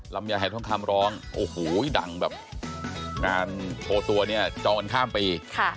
ลำไยหายทองคำร้องโอ้โหดังแบบงานโชว์ตัวเนี่ยจองกันข้ามปี